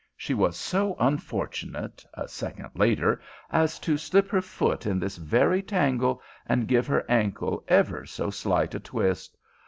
She was so unfortunate, a second later, as to slip her foot in this very tangle and give her ankle ever so slight a twist.